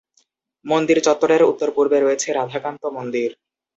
মন্দির চত্বরের উত্তর-পূর্বে রয়েছে রাধাকান্ত মন্দির।